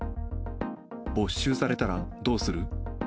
没収されたらどうする？